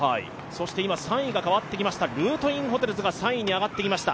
そして今、３位が変わってきました、ルートインホテルズが３位に上がってきました。